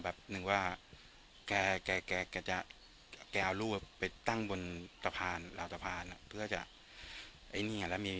อันนั้นจะโดดน้ำแน่เลย